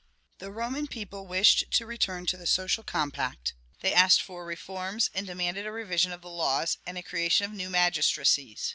The Roman people wished to return to the social compact; they asked for reforms, and demanded a revision of the laws, and a creation of new magistracies.